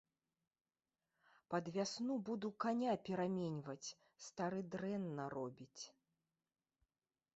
Пад вясну буду каня пераменьваць, стары дрэнна робіць.